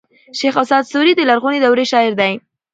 شېخ اسعد سوري د لرغوني دورې شاعر دﺉ.